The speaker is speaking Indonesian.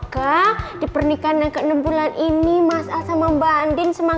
yang pun gak berasa banget yaa